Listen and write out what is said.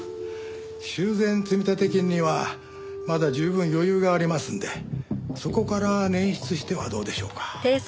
修繕積立金にはまだ十分余裕がありますのでそこから捻出してはどうでしょうか？